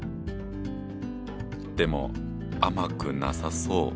でも甘くなさそう。